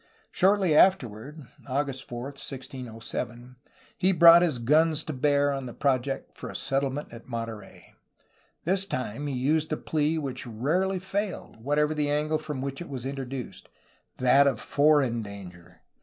Shortly afterward^ he brought his guns to bear on the project for a settlement at Monterey. This time he used the plea which rarely failed, whatever the angle from which it was introduced, — that of foreign danger.